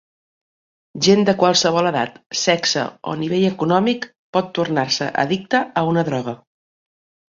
Gent de qualsevol edat, sexe o nivell econòmic pot tornar-se addicta a una droga.